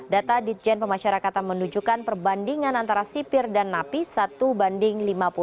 data ditjen pemasyarakatan menunjukkan perbandingan antara sipir dan napi satu banding lima puluh